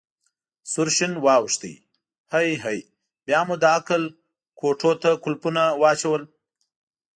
سور شین واوښت: هی هی، بیا مو د عقل کوټو ته کولپونه واچول.